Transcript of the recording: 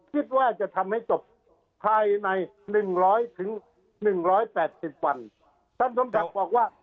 คิดว่าจะทำให้จบภายในหนึ่งร้อยถึงหนึ่งร้อยแปดสิบวันท่านสมศักดิ์บอกว่า